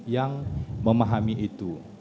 yang memahami itu